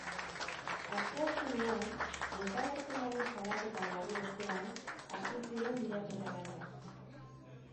Asteazkenean desagerpenaren salaketa jarri ostean, hasi ziren bilaketa lanak.